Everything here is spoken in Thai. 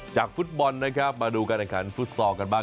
จากฟุตบอลนะครับมาดูการอาการฟุตซอลกันบ้าง